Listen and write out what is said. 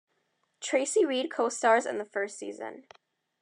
Tracy Reed co-stars in the first season.